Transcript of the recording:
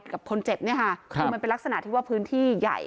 กับคนเจ็บเนี่ยค่ะคือมันเป็นลักษณะที่ว่าพื้นที่ใหญ่